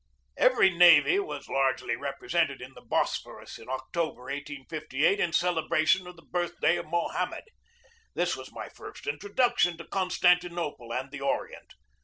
26 GEORGE DEWEY Every navy was largely represented in the Bos phorus in October, 1858, in celebration of the birth day of Mohammed. This was my first introduction to Constantinople and the Orient.